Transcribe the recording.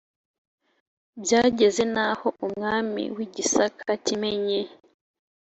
byageze n'aho umwami w'i gisaka, kimenyi